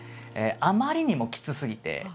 あまりにもきつすぎて。